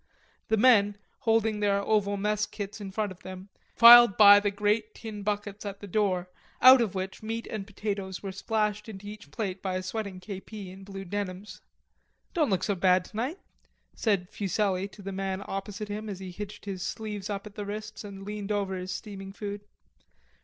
The men, holding their oval mess kits in front of them, filed by the great tin buckets at the door, out of which meat and potatoes were splashed into each plate by a sweating K.P. in blue denims. "Don't look so bad tonight," said Fuselli to the man opposite him as he hitched his sleeves up at the wrists and leaned over his steaming food.